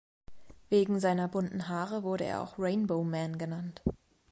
Wegen seiner bunten Haare wurde er auch "Rainbow Man" genannt.